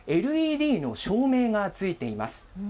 ＬＥＤの照明がついています。